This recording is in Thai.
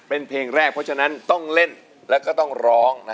เพราะฉะนั้นต้องเล่นและต้องร้อง